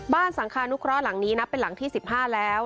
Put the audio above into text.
สังคานุเคราะห์หลังนี้นับเป็นหลังที่๑๕แล้ว